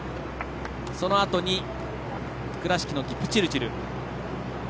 そのあとに倉敷のキプチルチル。